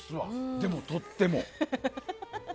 でも、とっても。